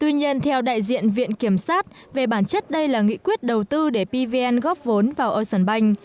tuy nhiên theo đại diện viện kiểm sát về bản chất đây là nghị quyết đầu tư để pvn góp vốn vào ocean bank